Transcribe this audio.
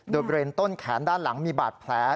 โดยบริเวณต้นแขนด้านหลังมีบาดแผล